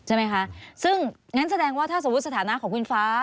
ใช่ไหมคะซึ่งงั้นแสดงว่าถ้าสมมุติสถานะของคุณฟ้า